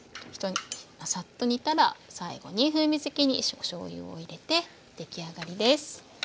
サッと煮たら最後に風味づけにおしょうゆを入れて出来上がりです。